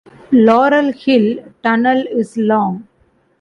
Laurel Hill Tunnel is long.